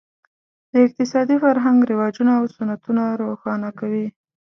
د اقتصادي فرهنګ رواجونه او سنتونه روښانه کوي.